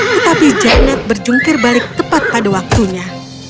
tetapi janet berjungkir balik tepat pada waktunya